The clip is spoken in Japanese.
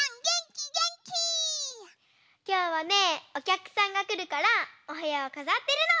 きょうはねおきゃくさんがくるからおへやをかざってるの！